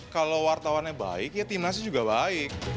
kalau wartawannya baik ya timnasnya juga baik